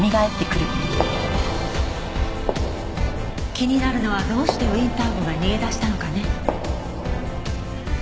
気になるのはどうしてウィンター号が逃げ出したのかね。